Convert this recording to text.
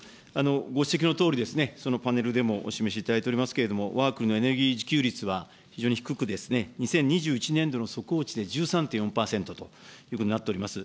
ご指摘のとおり、そのパネルでもお示しいただいておりますけれども、わが国のエネルギー自給率は非常に低く、２０２１年度の速報値で、１３．４％ということになっております。